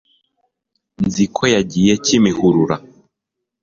nzi ko yagiye kimihurura